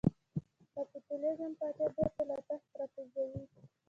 کاپیتالېزم پاچا بېرته له تخته را کوزوي.